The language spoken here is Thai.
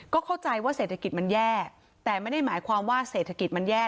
ก็เข้าใจว่าเศรษฐกิจมันแย่แต่ไม่ได้หมายความว่าเศรษฐกิจมันแย่